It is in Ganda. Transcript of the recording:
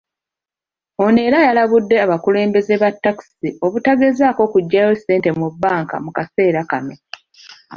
Ono era yalabudde abakulembeze ba takisi obutagezaako kuggyayo ssente mu banka mu kaseera kano.